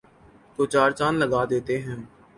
کو چار چاند لگا دیتے ہیں